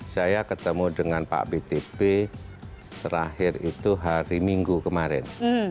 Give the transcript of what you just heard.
saya ketemu dengan pak btp terakhir itu hari minggu kemarin